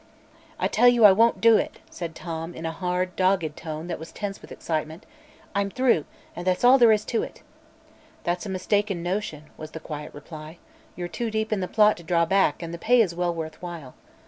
"I tell you I won't do it!" said Tom, in a hard, dogged tone that was tense with excitement. "I'm through, and that's all there is to it." "That's a mistaken notion," was the quiet reply. "You're too deep in the plot to draw back, and the pay is well worth while."